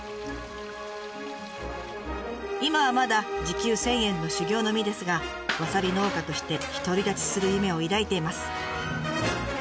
今はまだ時給１，０００円の修業の身ですがわさび農家として独り立ちする夢を抱いています。